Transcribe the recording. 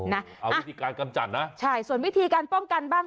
เอาวิธีการกำจัดนะใช่ส่วนวิธีการป้องกันบ้าง